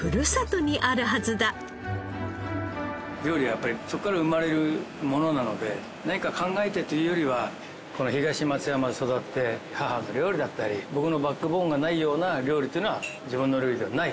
料理はやっぱりそこから生まれるものなので何か考えてというよりは東松山で育って母の料理だったり僕のバックボーンがないような料理というのは自分の料理ではないと。